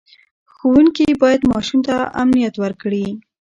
ښوونکي باید ماشوم ته امنیت ورکړي.